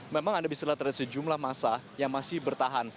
memang anda bisa lihat ada sejumlah masa yang masih bertahan